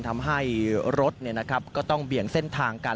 ทำให้รถก็ต้องเบี่ยงเส้นทางกัน